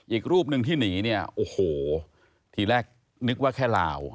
อีกรูปหนึ่งที่หนีเนี่ยโอ้โหทีแรกนึกว่าแค่ลาว